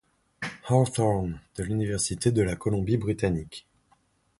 Hawthorn, de l'Université de la Colombie-Britannique.